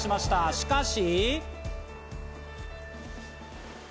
しかし。